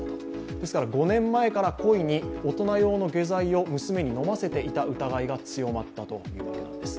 ですから５年前から故意に大人用の下剤を娘に飲ませていた疑いが強まったということなんです。